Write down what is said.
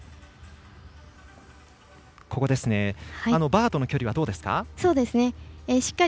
バーとの距離はどうですか？